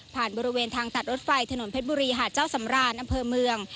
บริเวณทางตัดรถไฟถนนเพชรบุรีหาดเจ้าสำรานอำเภอเมือง